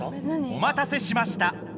・おまたせしました！